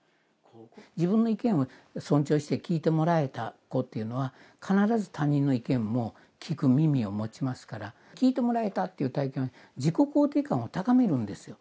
自分の意見を尊重して聞いてもらえた子っていうのは、必ず他人の意見も聞く耳を持ちますから、聞いてもらえたってタイプの子は、自己肯定感を高めるんですよ。